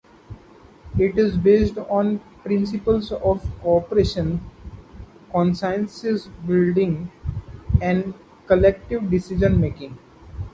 It is based on the principles of cooperation, consensus-building, and collective decision-making.